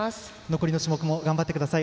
残りの種目も頑張ってください。